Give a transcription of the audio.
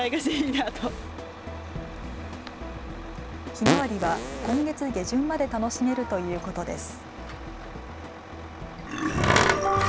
ひまわりは今月下旬まで楽しめるということです。